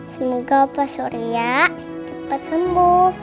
semoga pak surya cepat sembuh